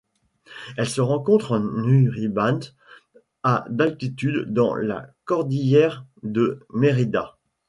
Elle se rencontre à Uribante à d'altitude dans la cordillère de Mérida.